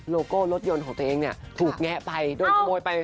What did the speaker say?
โก้รถยนต์ของตัวเองเนี่ยถูกแงะไปโดนขโมยไป